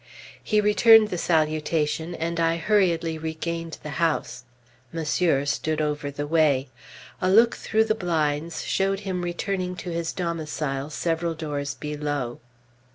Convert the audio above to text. He returned the salutation, and I hurriedly regained the house. Monsieur stood over the way. A look through the blinds showed him returning to his domicile, several doors below.